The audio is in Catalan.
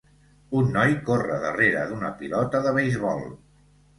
Un noi corre darrera d'una pilota de beisbol.